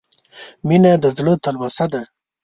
• مینه د زړه تلوسه ده.